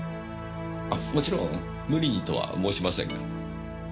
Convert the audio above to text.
あっもちろん無理にとは申しませんが。